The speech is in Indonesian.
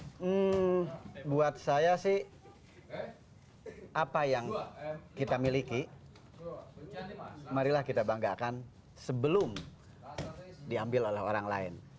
hmm buat saya sih apa yang kita miliki marilah kita banggakan sebelum diambil oleh orang lain